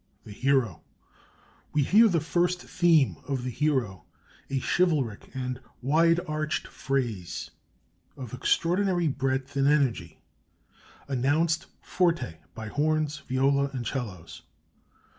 THE HERO We hear first the theme of the Hero, a chivalric and wide arched phrase, of extraordinary breadth and energy, announced forte by horns, viola, and 'cellos.